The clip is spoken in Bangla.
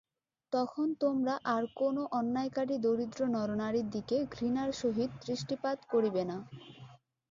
তখন তোমরা আর কোন অন্যায়কারী দরিদ্র নরনারীর দিকে ঘৃণার সহিত দৃষ্টিপাত করিবে না।